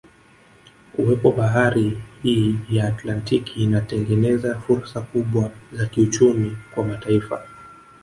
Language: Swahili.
Uwepo wa bahari hii ya Atlantiki inatengeneza fursa kubwa za kiuchumi kwa mataifa